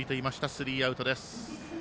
スリーアウトです。